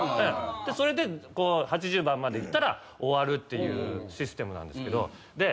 それで８０番までいったら終わるっていうシステムなんですけど。